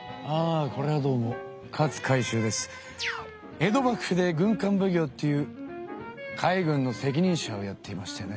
江戸幕府で軍艦奉行っていう海軍の責任者をやっていましてね。